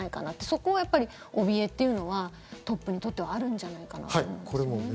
そこはやっぱりおびえというのはトップにとってはあるんじゃないかなと思うんですよね。